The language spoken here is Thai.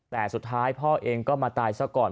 แต่สุดท้ายพ่อเองก็มาตายซะก่อน